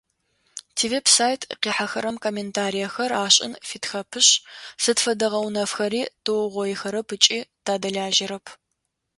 Тивеб-сайт къихьэрэм комментариехэр ашӏын фитхэпышъ, сыд фэдэ гъэунэфхэри тыугъоихэрэп ыкӏи тадэлажьэрэп.